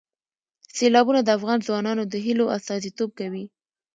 سیلابونه د افغان ځوانانو د هیلو استازیتوب کوي.